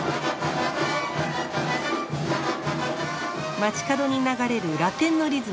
街角に流れるラテンのリズム。